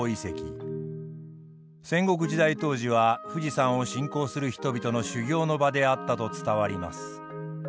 戦国時代当時は富士山を信仰する人々の修行の場であったと伝わります。